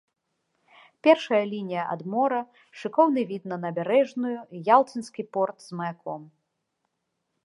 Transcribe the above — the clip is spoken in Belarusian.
Першая лінія ад мора, шыкоўны від на набярэжную і ялцінскі порт з маяком.